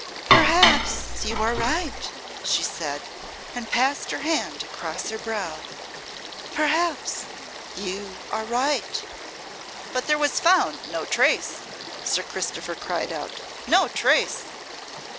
"Perhaps you are right," she said, and passed her hand across her brow; "perhaps you are right." "But there was found no trace," Sir Christopher cried out; "no trace."